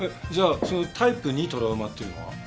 じゃあそのタイプ２トラウマっていうのは？